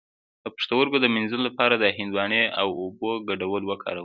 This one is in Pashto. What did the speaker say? د پښتورګو د مینځلو لپاره د هندواڼې او اوبو ګډول وکاروئ